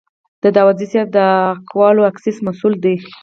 داوودزی صیب د اکول اکسیس مسوول دی.